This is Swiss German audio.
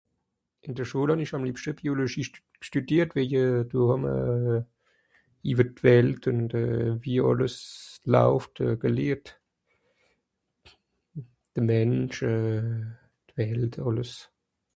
ìn de Schule hàn ìsch àm liebschte Biologie stùdiert weije dò hàmmer euh iwe d'Welt ùnd euh wie àlles laufte geleert de Mensch d'Welt àlles